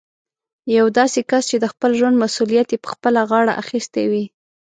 يو داسې کس چې د خپل ژوند مسوليت يې په خپله غاړه اخيستی وي.